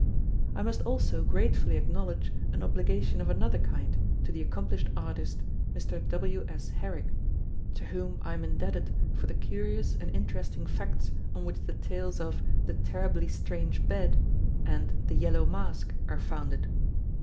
I must also gratefully acknowledge an obligation of another kind to the accomplished artist, Mr. W. S. Herrick, to whom I am indebted for the curious and interesting facts on which the tales of "The Terribly Strange Bed" and "The Yellow Mask" are founded.